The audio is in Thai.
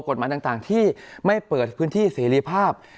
กฎหมายต่างที่ไม่เปิดพื้นที่เสรีภาพ